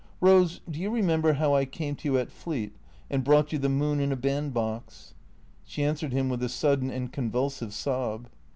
" Rose, do you remember how I came to you at Fleet, and brought you the moon in a band box ?" She answered him with a sudden and convulsive sob.